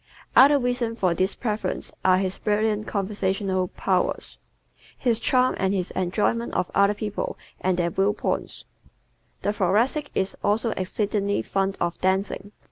Other reasons for this preference are his brilliant conversational powers, his charm and his enjoyment of other people and their view points. The Thoracic is also exceedingly fond of dancing.